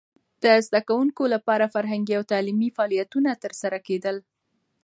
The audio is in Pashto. د زده کوونکو لپاره فرهنګي او تعلیمي فعالیتونه ترسره کېدل.